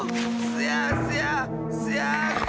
すやすや！